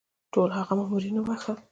ټول هغه مامورین وبخښل.